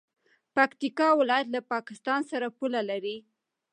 پکتیکا ولایت له پاکستان سره پوله لري.